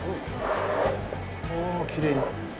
おぉ、きれいに。